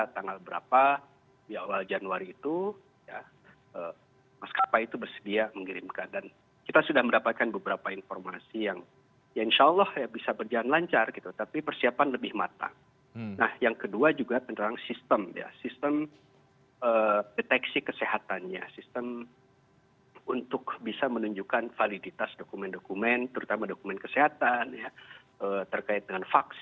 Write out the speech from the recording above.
tolong kirimkan secara gradual secara bertahap